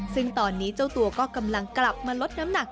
ซึ่งตอนนี้เจ้าตัวก็กำลังกลับมาลดน้ำหนัก